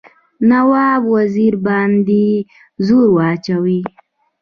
نواب وزیر باندي زور واچوي.